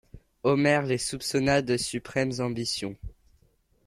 Omer les soupçonna de suprêmes ambitions.